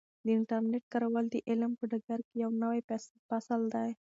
د انټرنیټ کارول د علم په ډګر کې یو نوی فصل دی.